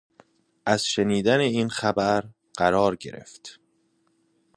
از شنیدن این خبر قرار گرفت